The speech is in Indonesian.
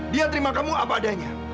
dia terima kamu apa adanya